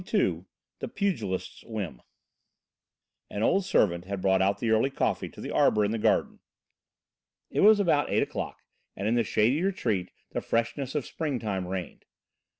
XXII THE PUGILIST'S WHIM An old servant had brought out the early coffee to the arbour in the garden. It was about eight o'clock, and in the shady retreat the freshness of springtime reigned.